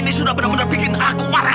ini sudah benar benar bikin aku marah